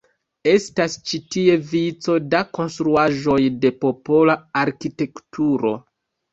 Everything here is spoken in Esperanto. Estas ĉi tie vico da konstruaĵoj de popola arkitekturo.